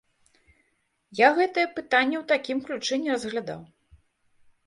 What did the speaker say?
Я гэтае пытанне ў такім ключы не разглядаў.